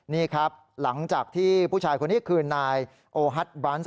นี่ครับหลังจากที่ผู้ชายคนนี้คือนายโอฮัทบรันซ์